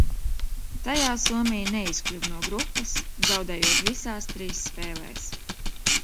Tajā Somija neizkļuva no grupas, zaudējot visās trīs spēlēs.